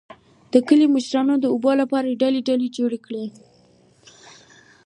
د کلي مشرانو د اوبو لپاره ټلۍ ټلۍ جوړې کړې